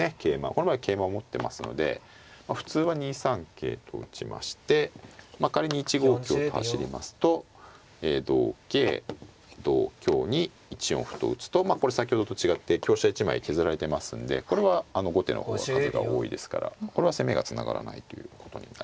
この場合桂馬を持ってますので普通は２三桂と打ちまして仮に１五香と走りますと同桂同香に１四歩と打つとこれ先ほどと違って香車１枚削られてますんでこれは後手の方は数が多いですからこれは攻めがつながらないということになりますね。